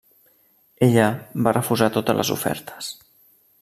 Ella va refusar totes les ofertes.